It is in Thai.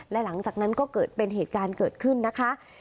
และหลังจากนั้นก็เกิดเป็นเหตุการณ์เกิดขึ้นนะคะ